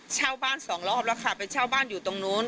เช่าบ้านสองรอบแล้วค่ะไปเช่าบ้านอยู่ตรงนู้น